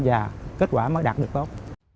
và kết quả mới đạt được tốt